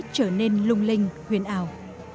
trở nên lung linh huyền ảo